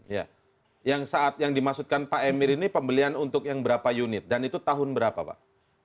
ya yang saat yang dimaksudkan pak emir ini pembelian untuk yang berapa unit dan itu tahun berapa pak